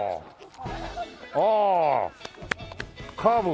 ああカーブ